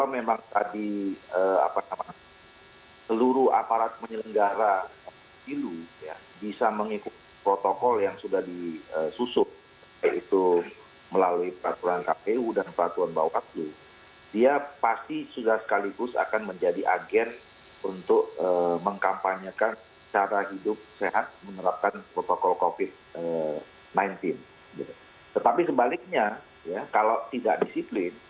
mas agus melas dari direktur sindikasi pemilu demokrasi